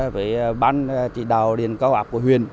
với bán chỉ đào điện cao hạc của huyện